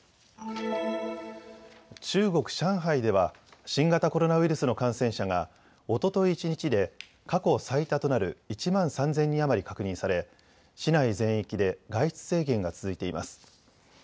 中国・上海では新型コロナウイルスの感染者がおととい一日で過去最多となる１万３０００人余り確認され市内全域で外出制限が続いています。